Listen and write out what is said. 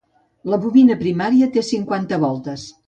La bobina primària té cinquanta voltes.